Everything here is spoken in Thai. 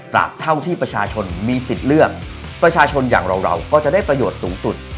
เท่าที่ประชาชนมีสิทธิ์เลือกประชาชนอย่างเราเราก็จะได้ประโยชน์สูงสุด